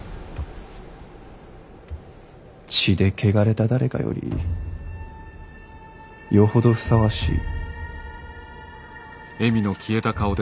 血で汚れた誰かよりよほどふさわしい。